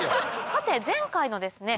さて前回のですね